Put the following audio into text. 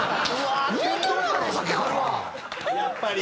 やっぱり。